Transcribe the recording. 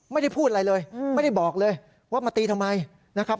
ไม่ได้พูดอะไรเลยไม่ได้บอกเลยว่ามาตีทำไมนะครับ